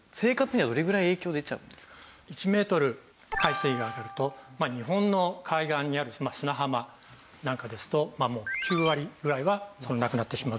海水位が上がると日本の海岸にある砂浜なんかですと９割ぐらいはなくなってしまうと。